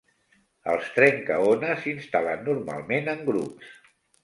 Els trencaones s'instal·len normalment en grups.